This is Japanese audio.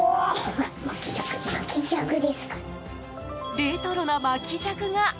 レトロな巻き尺が。